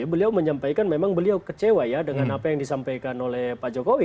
beliau menyampaikan memang beliau kecewa ya dengan apa yang disampaikan oleh pak jokowi